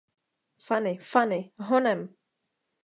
Fany, Fany, honem!